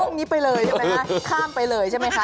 นี้ไปเลยใช่ไหมคะข้ามไปเลยใช่ไหมคะ